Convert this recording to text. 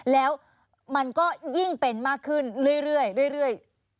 แล้วมันก็ยิ่งเป็นมากขึ้นเรื่อย